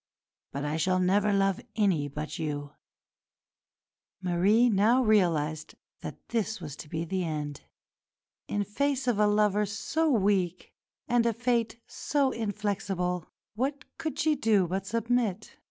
But I shall never love any but you." Marie now realised that this was to be the end. In face of a lover so weak, and a fate so inflexible, what could she do but submit?